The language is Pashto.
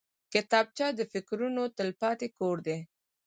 کتابچه د فکرونو تلپاتې کور دی